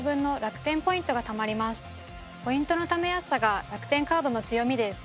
ポイントのためやすさが楽天カードの強みです。